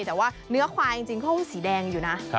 แต่ว่าเนื้อควายจริงเขาสีแดงอยู่นะ